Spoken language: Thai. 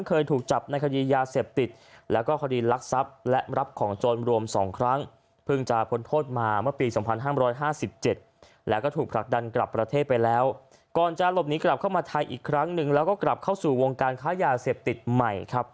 กลับเข้ามาไทยอีกครั้งหนึ่งแล้วก็กลับเข้าสู่วงการค้ายาเสพติดใหม่